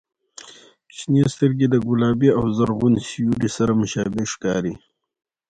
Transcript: • شنې سترګې د ګلابي او زرغون سیوري سره مشابه ښکاري.